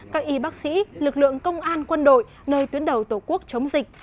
các y bác sĩ lực lượng công an quân đội nơi tuyến đầu tổ quốc chống dịch